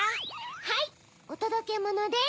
はいおとどけものです。